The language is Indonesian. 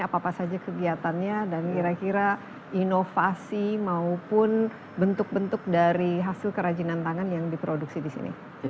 apa apa saja kegiatannya dan kira kira inovasi maupun bentuk bentuk dari hasil kerajinan tangan yang diproduksi di sini